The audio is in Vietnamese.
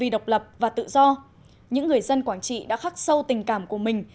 độc lập và tự do những người dân quảng trị đã khắc sâu tình cảm của mình